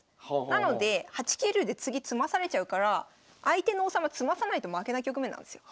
なので８九竜で次詰まされちゃうから相手の王様詰まさないと負けな局面なんですよ。